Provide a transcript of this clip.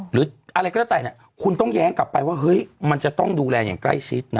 หรืออะไรก็แล้วแต่คุณต้องแย้งกลับไปว่าเฮ้ยมันจะต้องดูแลอย่างใกล้ชิดนะ